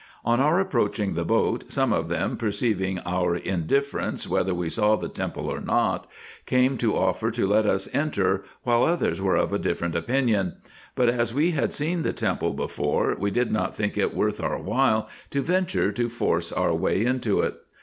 On our approaching the boat, some of them, perceiving our indifference whether we saw the temple or not, came to offer to let us enter, while others were of a different opinion ; but, as we had seen the temple be fore, we did not think it worth our while to venture to force our way into it.